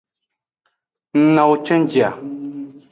Ng nawo cenji a.